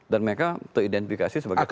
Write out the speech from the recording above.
dan mereka teridentifikasi sebagai pedofil